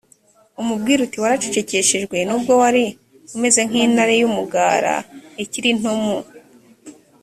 umubwire uti waracecekeshejwe nubwo wari umeze nk intare y umugara ikiri nto mu